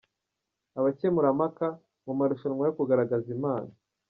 Abakemurampaka mu marushanwa yo kugaragaza impano.